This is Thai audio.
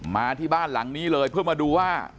มาที่บ้านหลังนี้เลยเพื่อมาดูว่า